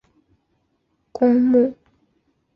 她的遗体被埋葬在马德里阿尔穆德纳公墓。